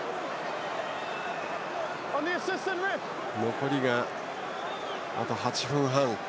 残り、あと８分半。